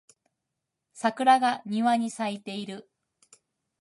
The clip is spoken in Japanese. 桜が庭に咲いている